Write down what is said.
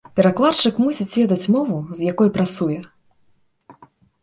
Перакладчык мусіць ведаць мову, з якой працуе.